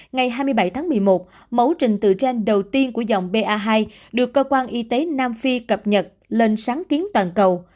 ngày hai mươi bảy tháng một mươi một mẫu trình tự trên đầu tiên của dòng ba được cơ quan y tế nam phi cập nhật lên sáng kiến toàn cầu